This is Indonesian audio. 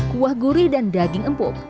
kuah gurih dan daging empuk